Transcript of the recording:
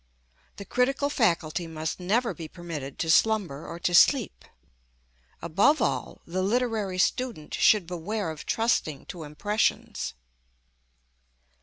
The critical faculty must never be permitted to slumber or to sleep. Above all, the literary student should beware of trusting to impressions.